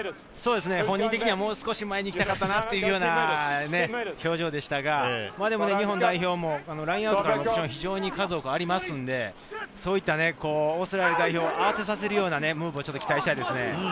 個人的にはもうちょっと前に行きたかったなという表情でしたが、日本代表もラインアウトから非常に数多くありますので、オーストラリア代表を慌てさせるようなものを期待したいです。